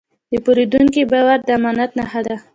د پیرودونکي باور د امانت نښه ده.